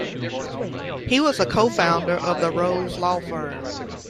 He was a co-founder of the Rose Law Firm.